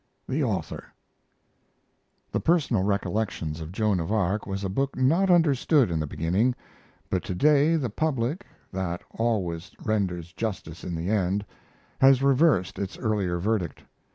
THE AUTHOR The Personal Recollections of Joan of Arc was a book not understood in the beginning, but to day the public, that always renders justice in the end, has reversed its earlier verdict.